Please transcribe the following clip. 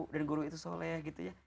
dan guru itu soleh gitu ya